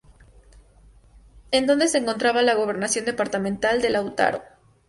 En donde se encontraba la Gobernación Departamental de Lautaro.